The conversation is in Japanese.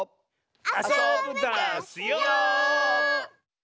あそぶダスよ！